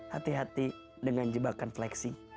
hati hati dengan jebakan flexing